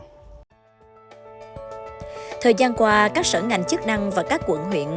thời gian qua các sở ngành chức năng và các quận huyện